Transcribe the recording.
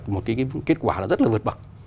một cái kết quả rất là vượt bậc